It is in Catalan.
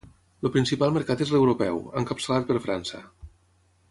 El principal mercat és l'europeu, encapçalat per França.